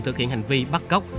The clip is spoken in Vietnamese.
thực hiện hành vi bắt cóc